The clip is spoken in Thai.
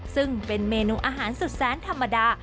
ซึ่งเป็นเมนูอาหารสุดแสนธรรมดา